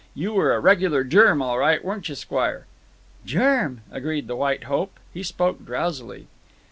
You were a regular germ, all right, weren't you squire?" "Germ," agreed the White Hope. He spoke drowsily.